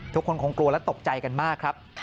คงกลัวและตกใจกันมากครับ